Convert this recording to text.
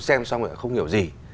xem xong lại không hiểu gì